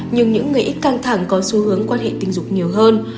nhưng những người ít căng thẳng có xu hướng quan hệ tình dục nhiều hơn